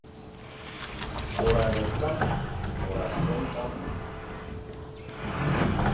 Môr a ne kam, môr a sem kam,